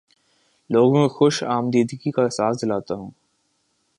لوگوں کو خوش آمدیدگی کا احساس دلاتا ہوں